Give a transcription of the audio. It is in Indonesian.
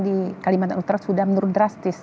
di kalimantan utara sudah menurun drastis